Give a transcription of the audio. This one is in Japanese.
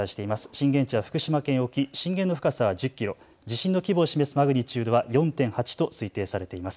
震源地は福島県沖、震源の深さは１０キロ、地震の規模を示すマグニチュードは４．８と推定されています。